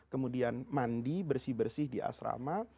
kemudian mandi bersih bersih di asrama